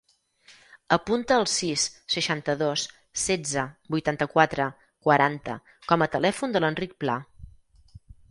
Apunta el sis, seixanta-dos, setze, vuitanta-quatre, quaranta com a telèfon de l'Enric Pla.